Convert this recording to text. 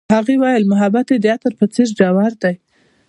هغې وویل محبت یې د عطر په څېر ژور دی.